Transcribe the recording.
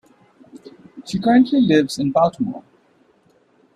She currently lives in Baltimore.